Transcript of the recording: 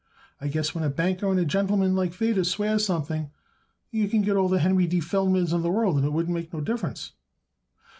I guess when a banker and a gentleman like Feder swears something you could get all the Henry D. Feldmans in the world and it wouldn't make no difference."